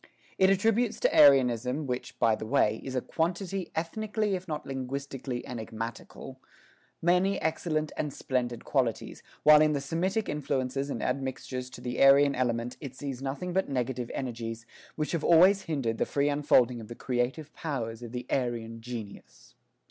It attributes to Aryanism, which by the way, is a quantity ethnically if not linguistically enigmatical, many excellent and splendid qualities, while in the Semitic influences and admixtures to the Aryan element it sees nothing but negative energies, which have always hindered the free unfolding of the creative powers of the Aryan genius.